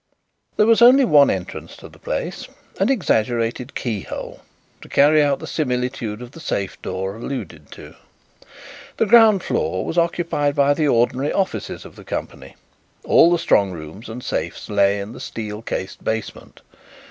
There was only one entrance to the place, an exaggerated keyhole, to carry out the similitude of the safe door alluded to. The ground floor was occupied by the ordinary offices of the company; all the strong rooms and safes lay in the steel cased basement.